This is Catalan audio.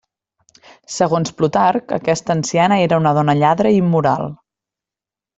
Segons Plutarc, aquesta anciana era una dona lladre i immoral.